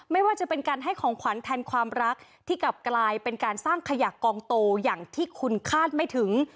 ไม่ว่าจะเป็นการให้ของขวัญแทนความรักที่กลับกลายเป็นการสร้างขยะกองโตอย่างที่คุณคาดไม่ถึง